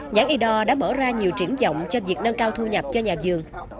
nhãn y đo đã mở ra nhiều triển vọng cho việc nâng cao thu nhập cho nhà vườn